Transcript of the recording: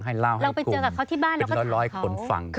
ให้เล่าให้กลุ่มเป็นร้อยคนฟัง